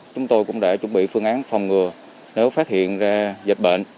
chúng tôi cũng đã chuẩn bị phương án phòng ngừa nếu phát hiện ra dịch bệnh